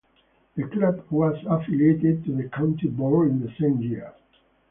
The club was affiliated to the County Board in the same year.